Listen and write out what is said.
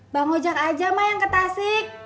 bang ujak aja ma yang ke tasik